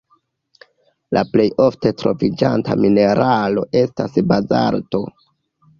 La plej ofte troviĝanta mineralo estas bazalto.